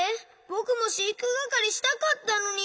ぼくもしいくがかりしたかったのに。